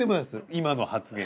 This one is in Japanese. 今の発言。